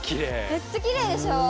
めっちゃキレイでしょ？